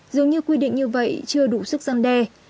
dường như quy định như vậy chưa đủ sức gian đe